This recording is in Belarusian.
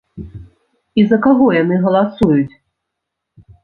І за каго яны галасуюць?